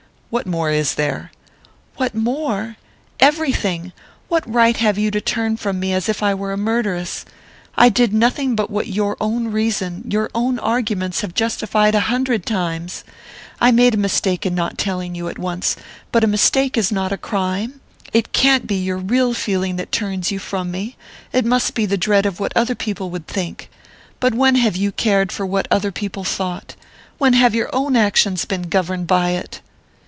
"What more is there?" "What more? Everything! What right have you to turn from me as if I were a murderess? I did nothing but what your own reason, your own arguments, have justified a hundred times! I made a mistake in not telling you at once but a mistake is not a crime. It can't be your real feeling that turns you from me it must be the dread of what other people would think! But when have you cared for what other people thought? When have your own actions been governed by it?"